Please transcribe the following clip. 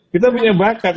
kita punya bakat